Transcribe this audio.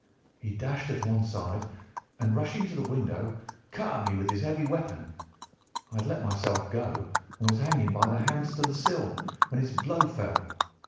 He dashed her to one side, and, rushing to the window, cut at me with his heavy weapon. I had let myself go, and was hanging by the hands to the sill, when his blow fell.